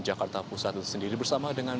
jakarta pusat sendiri bersama dengan